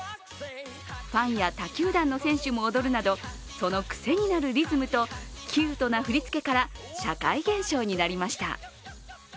ファンや他球団の選手も踊るなどそのクセになるリズムとキュートな振り付けから社会現象になりました。